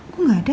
kok gak ada